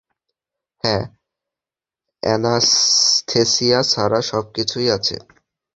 হ্যাঁ, অ্যানাসথেসিয়া ছাড়া সবকিছুই আছে।